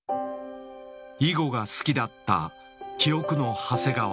囲碁が好きだった「記憶の長谷川」。